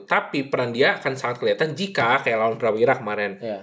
tapi peran dia akan sangat kelihatan jika kayak lawan prawira kemarin